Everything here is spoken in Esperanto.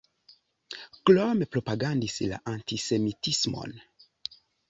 Krome propagandis la antisemitismon.